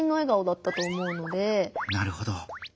なるほど。